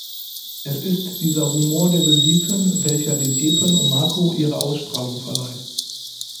Es ist dieser "Humor der Besiegten", welcher den Epen um Marko ihre Ausstrahlung verleiht.